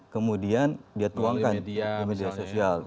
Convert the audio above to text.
kemudian dia tuangkan di media sosial